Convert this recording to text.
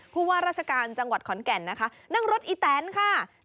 ผู้ว่าราชการจังหวัดขอนแก่นนะคะนั่งรถอีแตนค่ะ